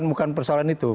bukan persoalan itu